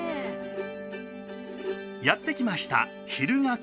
やって来ました日向湖。